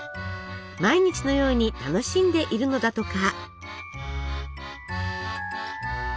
毎日のように楽しんでいるのだとか。